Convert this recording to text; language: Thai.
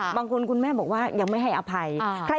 คุณแม่บอกว่ายังไม่ให้อภัย